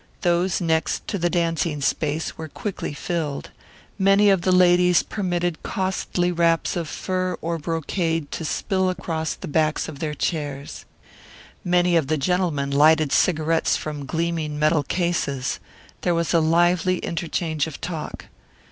Those next to the dancing space were quickly filled. Many of the ladies permitted costly wraps of fur or brocade to spill across the backs of their chairs. Many of the gentlemen lighted cigarettes from gleaming metal cases. There was a lively interchange of talk.